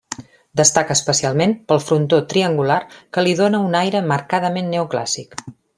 Destaca especialment pel frontó triangular que li dóna un aire marcadament neoclàssic.